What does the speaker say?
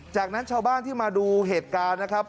จากนั้นชาวบ้านที่มาดูเหตุการณ์นะครับ